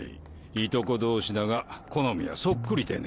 いとこ同士だが好みはソックリでね。